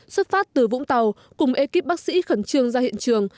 xuất phát từ vũng tàu cùng ekip bác sĩ khẩn trương ra hiện trường